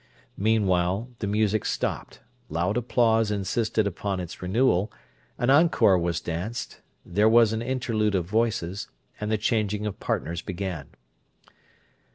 Meanwhile the music stopped; loud applause insisted upon its renewal; an encore was danced; there was an interlude of voices; and the changing of partners began.